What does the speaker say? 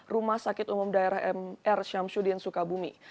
rumah sakit umum daerah mr syamsuddin sukabumi